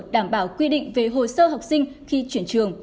đảm bảo quy định về hồ sơ học sinh khi chuyển trường